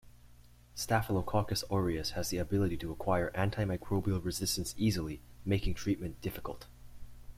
Staphylococcus aureus has the ability to acquire antimicrobial resistance easily, making treatment difficult.